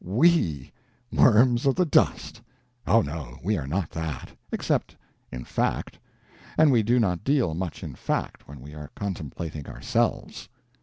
_ We_ worms of the dust! Oh, no, we are not that. Except in fact; and we do not deal much in fact when we are contemplating ourselves.